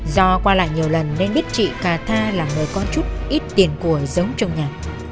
do qua lại nhiều lần nên biết chị cà tha là người có chút ít tiền của giống trong nhà